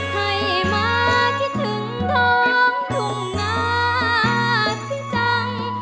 ให้มาคิดถึงทองทุ่มงาที่ใจ